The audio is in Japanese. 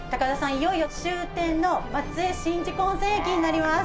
いよいよ終点の松江しんじ湖温泉駅になります。